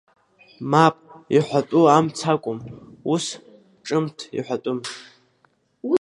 Мап, иҳәатәу амц акәым, ус, ҿымҭ, иҳәатәым.